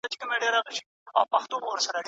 کډوال د کار کولو او ژوند جوړولو هیله لري.